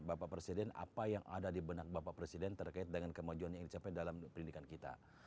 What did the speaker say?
bapak presiden apa yang ada di benak bapak presiden terkait dengan kemajuan yang dicapai dalam pendidikan kita